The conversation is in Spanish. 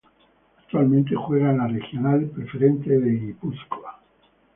Actualmente juega en la Regional Preferente de Guipúzcoa.